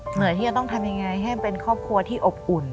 เหนื่อยที่จะต้องทำยังไงให้มันเป็นครอบครัวที่อบอุ่น